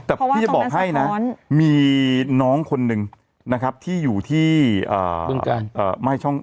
แต่พี่จะบอกให้นะมีน้องคนหนึ่งนะครับที่อยู่ที่ช่อง